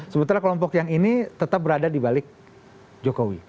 sementara kelompok yang ini tetap berada di balik jokowi